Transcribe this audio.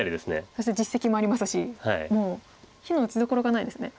そして実績もありますしもう非の打ち所がないですね。